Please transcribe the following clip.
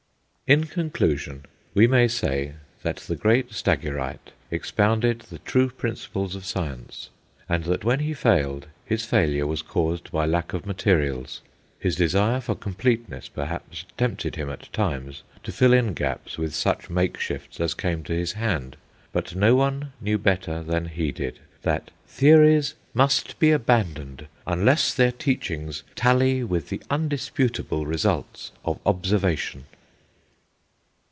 In conclusion, we may say that the great Stagirite expounded the true principles of science, and that when he failed his failure was caused by lack of materials. His desire for completeness, perhaps, tempted him at times to fill in gaps with such makeshifts as came to his hand; but no one knew better than he did that "theories must be abandoned unless their teachings tally with the indisputable results of observation."